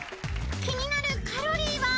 ［気になるカロリーは？］